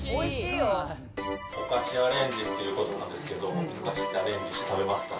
おかしアレンジということなんですけど、おかしって、アレンジして食べますか？